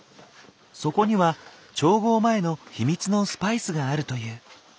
そこには調合前の秘密のスパイスがあるという。